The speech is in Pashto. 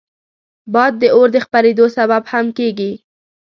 باد د اور د خپرېدو سبب هم کېږي